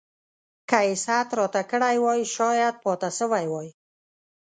که يې ست راته کړی وای شايد پاته سوی وای.